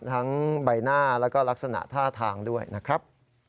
ทั้งใบหน้าแล้วก็ลักษณะท่าทางด้วยนะครับ